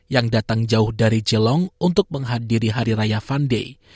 yang datang jauh dari jelong untuk menghadiri hari raya fund